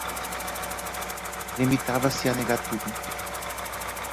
Limitava-se a negar tudo.